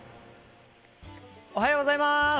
おはようございます。